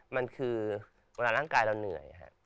มันคือเวลาร่างกายเราเหนื่อย